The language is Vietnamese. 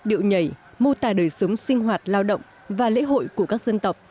điệu nhảy mô tài đời sống sinh hoạt lao động và lễ hội của các dân tộc